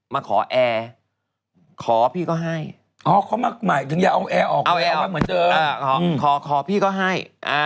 มาขอแอร์ขอพี่ก็ให้อ๋อเขามาหมายถึงอย่าเอาแอร์ออกแอร์ออกมาเหมือนเดิมขอพี่ก็ให้